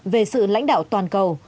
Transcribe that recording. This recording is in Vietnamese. về sự lãnh đạo toàn cầu